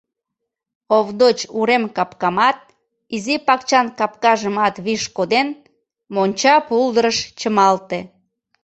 Овдоч урем капкамат, изи пакчан капкажымат виш коден, монча пулдырыш чымалте.